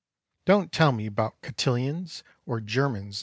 Don't tell me 'bout cotillions, or germans.